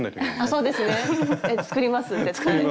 そうですね。作ります絶対。